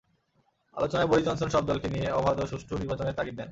আলোচনায় Boris Johnson সব দলকে নিয়ে অবাধ ও সুষ্ঠু নির্বাচনের তাগিদ দেন।